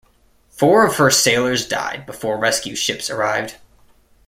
Four of her sailors died before rescue ships arrived.